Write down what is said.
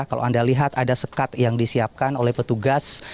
kalau anda lihat ada sekat yang disiapkan oleh petugas